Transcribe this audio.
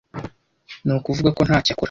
ni ukuvuga ko ntacyo akora